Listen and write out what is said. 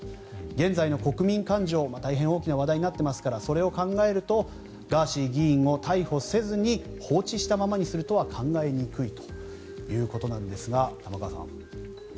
現在の国民感情大変大きな話題になっていますからそれを考えるとガーシー議員を逮捕せずに放置したままにするとは考えにくいということなんですが玉川さん。